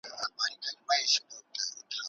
قسمت وي رسېدلی